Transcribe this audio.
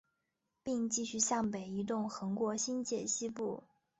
并继续向北移动横过新界西部。